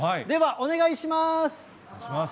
お願いします。